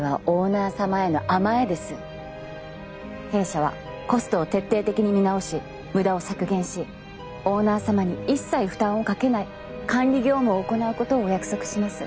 弊社はコストを徹底的に見直し無駄を削減しオーナー様に一切負担をかけない管理業務を行うことをお約束します。